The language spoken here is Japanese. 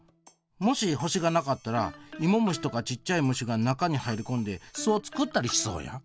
もし星がなかったらイモムシとかちっちゃい虫が中に入りこんで巣をつくったりしそうやん。